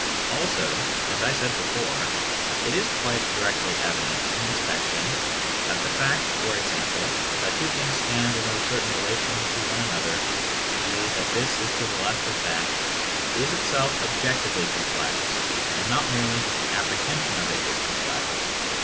Also, as I said before, it is quite directly evident to inspection that the fact, for example, that two things stand in a certain relation to one another — e. g., that this is to the left of that — is itself objectively complex, and not merely that the apprehension of it is complex.